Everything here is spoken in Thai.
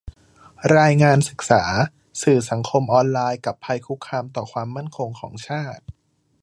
รายงานศึกษา "สื่อสังคมออนไลน์กับภัยคุกคามต่อความมั่นคงของชาติ"